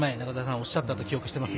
おっしゃったと記憶しています。